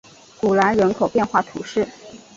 古兰人口变化图示